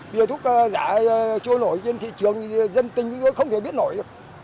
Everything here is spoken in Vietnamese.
bây giờ thuốc giả chưa nổi trên thị trường dân tình chúng tôi không thể biết nổi được